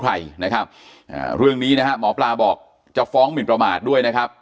ใครนะครับอ่าเรื่องนี้นะฮะหมอปลาบอกจะฟ้องหมินประมาทด้วยนะครับ